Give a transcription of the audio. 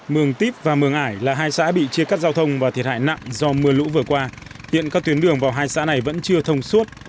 mường tiếp và mường ải là hai xã bị chia cắt giao thông và thiệt hại nặng do mưa lũ vừa qua hiện các tuyến đường vào hai xã này vẫn chưa thông suốt